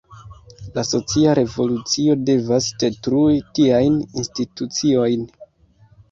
La socia revolucio devas detrui tiajn instituciojn.